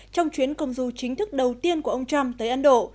trong chuyến công du chính thức đầu tiên của ông trump tới ấn độ